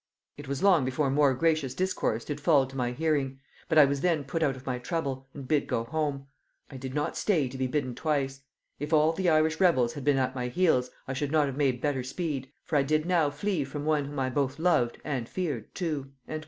It was long before more gracious discourse did fall to my hearing; but I was then put out of my trouble, and bid go home. I did not stay to be bidden twice; if all the Irish rebels had been at my heels, I should not have made better speed, for I did now flee from one whom I both loved and feared too."